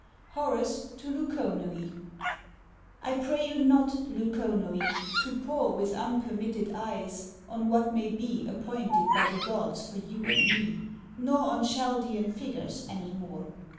Horace to Leuconoe I pray you not, Leuconoe, to pore With unpermitted eyes on what may be Appointed by the gods for you and me, Nor on Chaldean figures any more.